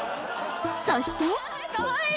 そして